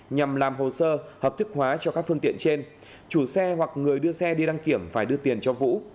nhằm làm hồ sơ hợp thức hóa cho các phương tiện trên chủ xe hoặc người đưa xe đi đăng kiểm phải đưa tiền cho vũ